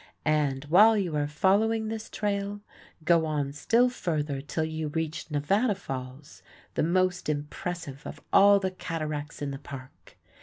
And, while you are following this trail, go on still further till you reach Nevada Falls, the most impressive of all the cataracts in the Park.